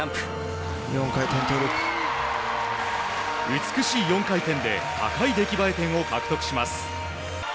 美しい４回転で高い出来栄え点を獲得します。